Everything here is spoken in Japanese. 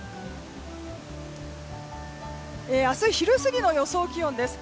明日昼過ぎの予想気温です。